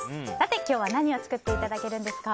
今日は何を作っていただけるんでしょうか？